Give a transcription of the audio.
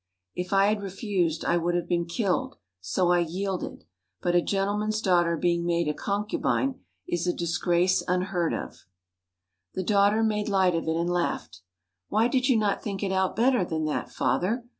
"If I had refused I would have been killed, so I yielded; but a gentleman's daughter being made a concubine is a disgrace unheard of." The daughter made light of it and laughed. "Why did you not think it out better than that, father?